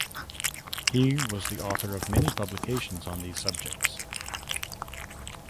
He was the author of many publications on these subjects.